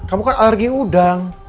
kamu kan alergi udang